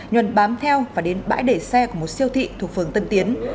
nguyền bám theo và đến bãi để xe của một siêu thị thuộc phường tân tiến